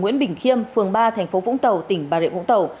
nguyễn bình khiêm phường ba tp vũng tàu tỉnh bà rịa vũng tàu